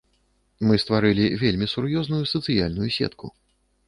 Мы стварылі вельмі сур'ёзную сацыяльную сетку.